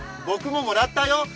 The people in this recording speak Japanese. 僕ももらったよ。